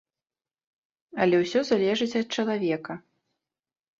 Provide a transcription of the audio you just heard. Але ўсё залежыць ад чалавека.